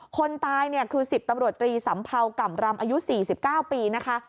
คนตายเนี่ยคือ๑๐ตำรวจตรีสัมเภาก่ำรำอายุ๔๙ปีนะคะ